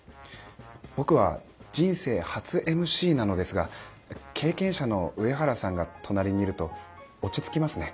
僕は人生初ＭＣなのですが経験者の上原さんが隣にいると落ち着きますね。